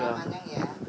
kepala manyung ya